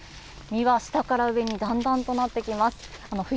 実は下から上にだんだんとなってきます。